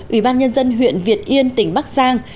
ủy ban nhân dân huyện việt yên tỉnh bắc giang